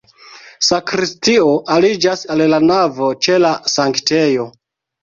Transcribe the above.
Sakristio aliĝas al la navo ĉe la sanktejo.